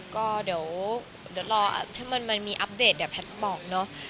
ก็เดี๋ยวรอถ้ามันมีอัปเดตเดี๋ยวแพทย์บอกเนอะ